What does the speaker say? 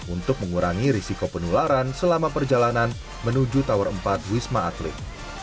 untuk mengurangi risiko penularan selama perjalanan menuju tower empat wisma atlet